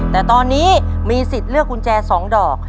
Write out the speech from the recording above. แต่ตอนนี้มีสิทธิ์เลือกกุญแจ๒ดอก